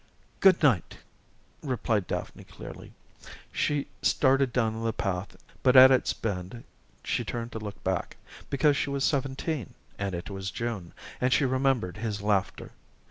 "Good night," replied Daphne clearly. She started down the path, but at its bend she turned to look back because she was seventeen, and it was June, and she remembered his laughter.